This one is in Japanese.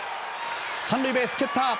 ３塁ベース蹴った。